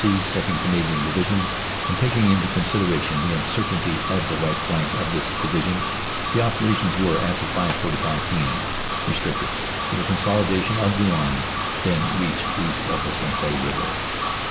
C., 2nd. Canadian Division, and taking into considera tion the uncertainty of the right flank of this Division, the operations were, after 5.45 p.m., restricted to the consolidation of the line then reached east of the Sensee river.